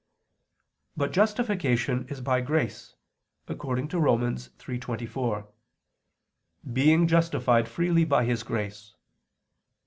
But justification is by grace, according to Rom. 3:24: "Being justified freely by His grace."